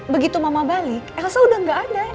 begitu mama balik elsa udah gak ada